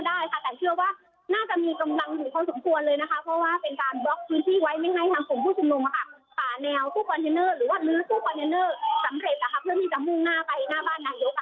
หรือว่าเนื้อคู่คอนเทนเนอร์สำเร็จนะคะเพื่อที่จะมุ่งหน้าไปหน้าบ้านในเดี๋ยวก่อนค่ะ